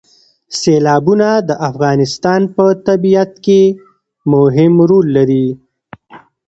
سیلابونه د افغانستان په طبیعت کې مهم رول لري.